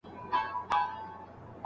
امام مسلم رحمه الله فرمايلي دي.